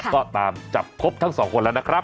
ก็ตามจับครบทั้งสองคนแล้วนะครับ